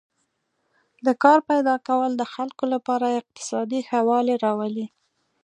د کار پیدا کول د خلکو لپاره اقتصادي ښه والی راولي.